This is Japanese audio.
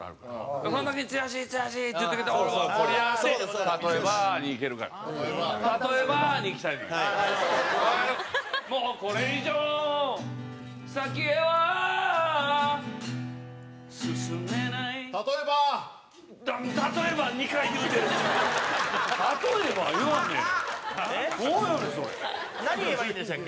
山崎：何言えばいいんでしたっけ？